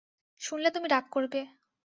শুনলে তুমি রাগ করবে।